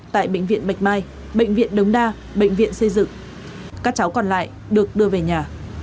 tại bệnh viện bạch mai bệnh viện đống đa bệnh viện xây dựng các cháu còn lại được đưa về nhà